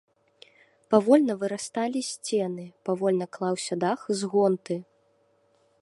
Павольна вырасталі сцены, павольна клаўся дах з гонты.